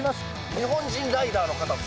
日本人ライダーの方も。